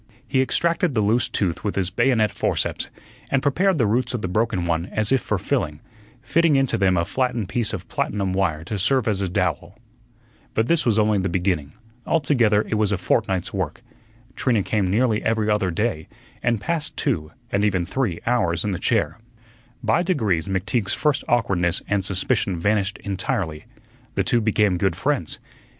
He extracted the loose tooth with his bayonet forceps and prepared the roots of the broken one as if for filling, fitting into them a flattened piece of platinum wire to serve as a dowel. But this was only the beginning; altogether it was a fortnight's work. Trina came nearly every other day, and passed two, and even three, hours in the chair. By degrees McTeague's first awkwardness and suspicion vanished entirely. The two became good friends.